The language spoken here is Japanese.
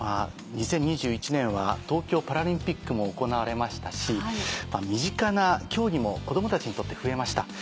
２０２１年は東京パラリンピックも行われましたし身近な競技も子供たちにとって増えました。